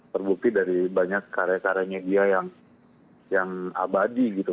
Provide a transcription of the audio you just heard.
terbukti dari banyak karya karyanya dia yang abadi gitu